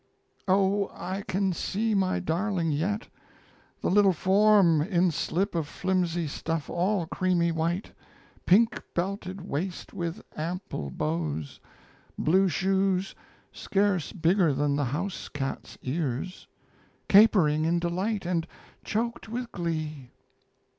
O, I can see my darling yet: the little form In slip of flimsy stuff all creamy white, Pink belted waist with ample bows, Blue shoes scarce bigger than the house cat's ears Capering in delight and choked with glee.